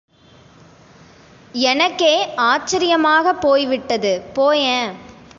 எனக்கே ஆச்சரியமாகப் போய் விட்டது, போயேன்!